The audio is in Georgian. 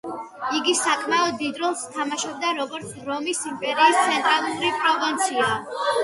იგი საკმაოდ დიდ როლს თამაშობდა, როგორც რომის იმპერიის ცენტრალური პროვინცია.